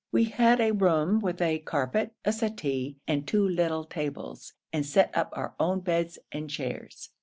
We had a room with a carpet, a settee, and two little tables, and set up our own beds and chairs.